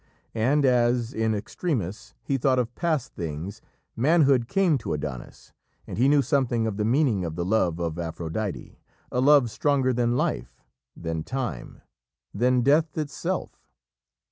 And as, in extremis, he thought of past things, manhood came to Adonis and he knew something of the meaning of the love of Aphrodite a love stronger than life, than time, than death itself.